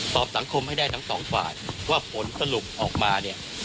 สังคมให้ได้ทั้งสองฝ่ายว่าผลสรุปออกมาเนี่ย